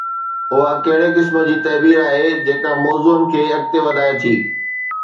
اها ڪهڙي قسم جي تعبير آهي جيڪا موضوعن کي اڳتي وڌائي ٿي؟